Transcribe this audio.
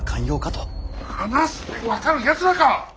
話して分かるやつらか！